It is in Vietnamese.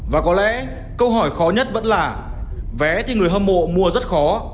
và có lẽ câu hỏi khó nhất vẫn là vé thì người hâm mộ mua rất khó